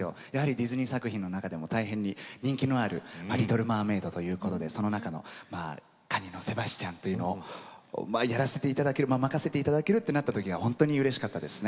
ディズニー作品の中でも大変に人気のある「リトル・マーメイド」ということでその中のカニのセバスチャンというのをやらせていただける任せていただけるってなった時は本当にうれしかったですね。